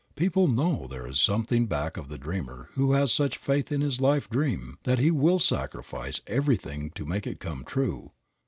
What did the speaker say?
People know there is something back of the dreamer who has such faith in his life dream that he will sacrifice everything to make it come true.